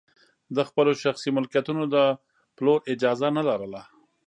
د خپلو شخصي ملکیتونو د پلور اجازه نه لرله.